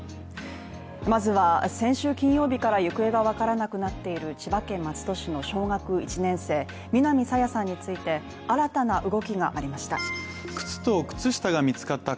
まずは先週金曜日から行方が分からなくなっている千葉県松戸市の小学１年生南朝芽さんについて新たな動きがありました。